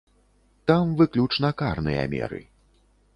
Там выключна карныя меры.